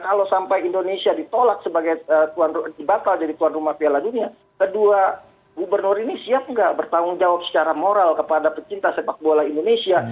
kalau sampai indonesia ditolak bakal jadi tuan rumah piala dunia kedua gubernur ini siap nggak bertanggung jawab secara moral kepada pecinta sepak bola indonesia